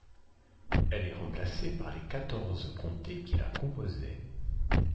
Elle est remplacée par les quatorze comtés qui la composaient.